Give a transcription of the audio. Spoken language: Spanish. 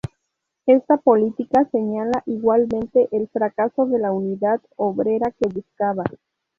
Esta política señala igualmente el fracaso de la unidad obrera que buscaba.